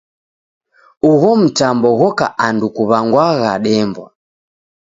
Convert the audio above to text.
Ugho mtambo ghoka andu kuw'angwagha Dembwa.